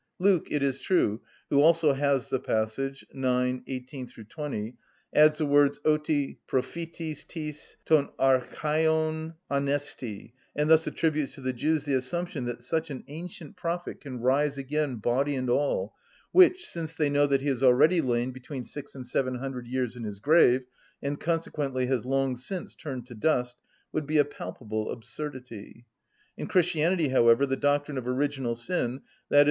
Luke, it is true, who also has the passage (ix. 18‐20), adds the words ὁτι προφητης τις των αρχαιων ανεστῃ, and thus attributes to the Jews the assumption that such an ancient prophet can rise again body and all, which, since they know that he has already lain between six and seven hundred years in his grave, and consequently has long since turned to dust, would be a palpable absurdity. In Christianity, however, the doctrine of original sin, _i.e.